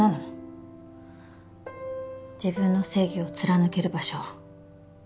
自分の正義を貫ける場所。